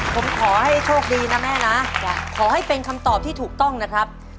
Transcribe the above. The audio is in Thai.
ผมขอให้โชคดีนะแม่นะขอให้เป็นคำตอบที่ถูกต้องนะครับ